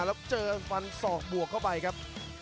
แล้วเจอฟันศอกบวกเข้าไปครับ